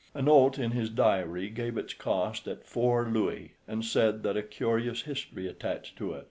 A note in his diary gave its cost at four louis, and said that a curious history attached to it.